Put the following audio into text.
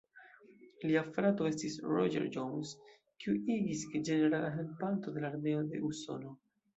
Lia frato estis Roger Jones, kiu igis ĝenerala helpanto de la armeo de Usono.